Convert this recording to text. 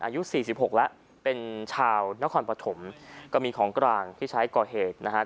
อายุสี่สิบหกแล้วเป็นชาวนครปฐมก็มีของกลางที่ใช้ก่อเหตุนะครับ